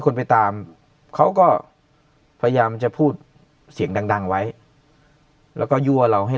คนไปตามเขาก็พยายามจะพูดเสียงดังดังไว้แล้วก็ยั่วเราให้